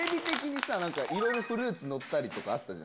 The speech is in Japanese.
いろいろフルーツのったりとかあった。